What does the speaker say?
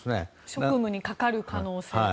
職務にかかる可能性が。